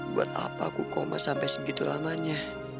buat apa aku koma sampai sebegitu lamanya